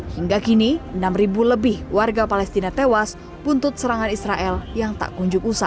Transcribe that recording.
hingga kini enam lebih warga palestina tewas buntut serangan israel yang tak kunjung usai